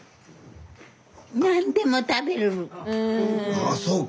ああそうか。